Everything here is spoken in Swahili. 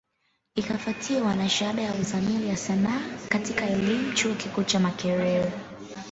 Ikifwatiwa na shahada ya Uzamili ya Sanaa katika elimu, chuo kikuu cha Makerere.